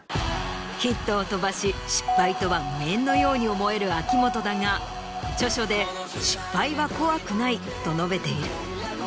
ヒットを飛ばし失敗とは無縁のように思える秋元だが著書で「失敗は怖くない」と述べている。